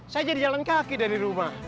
saya jadi jalan kaki dari rumah